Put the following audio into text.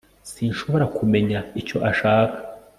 sinshobora kumenya icyo ashaka